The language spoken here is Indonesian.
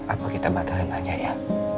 apa kita batalin aja ya